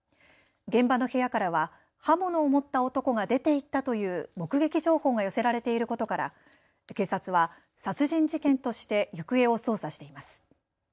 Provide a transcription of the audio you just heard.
現場の部屋からは刃物を持った男が出て行ったという目撃情報が寄せられていることから警察は殺人事件として行方を捜査しています。